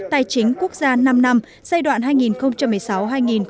tài chính quốc gia năm năm giai đoạn hai nghìn một mươi sáu hai nghìn hai mươi